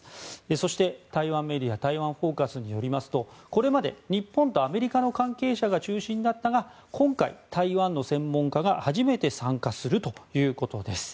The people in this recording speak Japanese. そして台湾メディアフォーカス台湾によりますとこれまで日本とアメリカの関係者が中心だったが今回、台湾の専門家が初めて参加するということです。